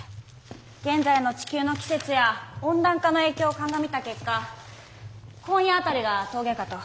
現在の地球の季節や温暖化の影響を鑑みた結果今夜辺りが峠かと。